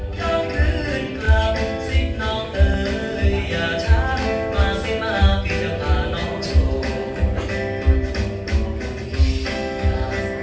กลับเกินกลับสิบน้องเตอร์หรือยาทักมาสิบห้าพี่จะพาน้องโชค